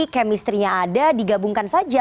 kemistrinya ada digabungkan saja